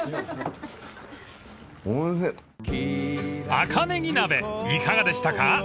［赤ネギ鍋いかがでしたか？］